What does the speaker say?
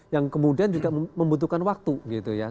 yang kemudian juga membutuhkan waktu gitu ya